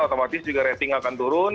otomatis juga rating akan turun